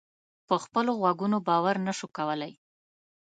په خپلو غوږونو باور نه شو کولای.